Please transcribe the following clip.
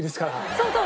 そうそう。